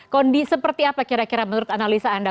kondisi seperti apa kira kira menurut analisa anda